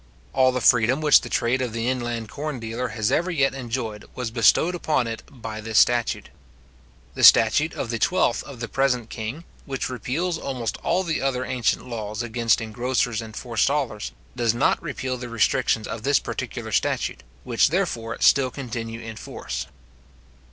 All the freedom which the trade of the inland corn dealer has ever yet enjoyed was bestowed upon it by this statute. The statute of the twelfth of the present king, which repeals almost all the other ancient laws against engrossers and forestallers, does not repeal the restrictions of this particular statute, which therefore still continue in force.